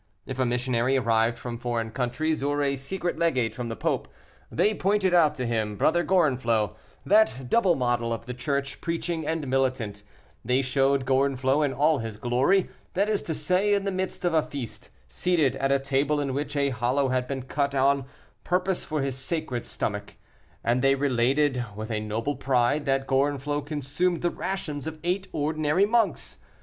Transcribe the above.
If a missionary arrived from foreign countries, or a secret legate from the Pope, they pointed out to him Brother Gorenflot, that double model of the church preaching and militant; they showed Gorenflot in all his glory, that is to say, in the midst of a feast, seated at a table in which a hollow had been cut on purpose for his sacred stomach, and they related with a noble pride that Gorenflot consumed the rations of eight ordinary monks.